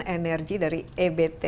energi dari ebt